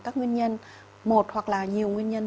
các nguyên nhân một hoặc là nhiều nguyên nhân